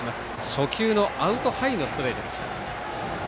初球のアウトハイのストレートでした。